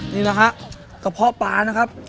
นี่แหละฮะกระเพาะปลานะครับ